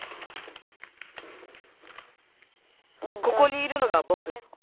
ここにいるのがぼく。